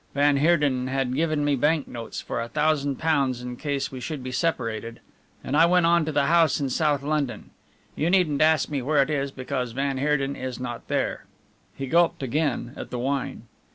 Van Heerden had given me bank notes for a thousand pounds in case we should be separated, and I went on to the house in South London. You needn't ask me where it is because van Heerden is not there." He gulped again at the wine.